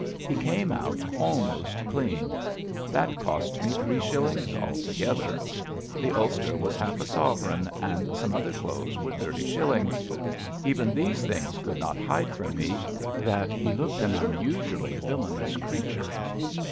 He came out almost clean. That cost me three shillings altogether. The ulster was half a sovereign, and some other clothes were thirty shillings. Even these things could not hide from me that he looked an unusually villainous creature.